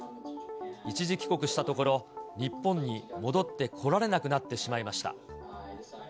一時帰国したところ、日本に戻ってこられなくなってしまいました。